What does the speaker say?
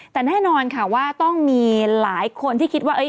แต่แน่นอนค่ะว่าต้องมีหลายคนที่คิดว่า